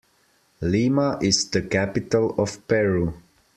Lima is the capital of Peru.